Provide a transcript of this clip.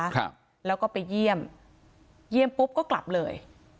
ครับแล้วก็ไปเยี่ยมเยี่ยมปุ๊บก็กลับเลย